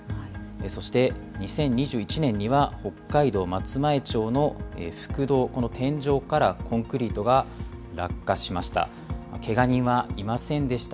そして、２０２１年には北海道松前町の覆道、この天井からコンクリートが落下しました。